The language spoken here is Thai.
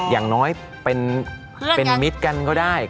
อย่างน้อยเป็นมิตรกันก็ได้